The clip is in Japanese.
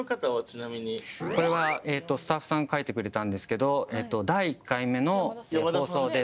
これはスタッフさんが描いてくれたんですけど第１回目の放送で。